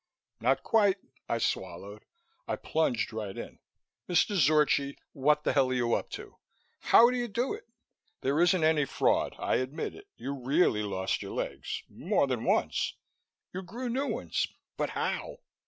"Not quite." I swallowed. I plunged right in. "Mr. Zorchi, what the hell are you up to? How do you do it? There isn't any fraud, I admit it. You really lost your legs more than once. You grew new ones. But how?